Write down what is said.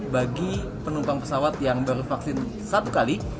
bagi penumpang pesawat yang baru vaksin satu kali